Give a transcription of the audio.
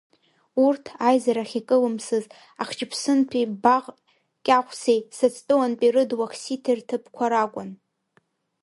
Урҭ, аизарахь икылымсыз, Ахҷыԥсынтәи Баӷ Кьаӷәсеи Саӡтәылантәи Рыд Уахсиҭи рҭыԥқәа ракәын.